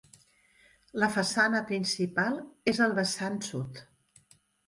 La façana principal és al vessant sud.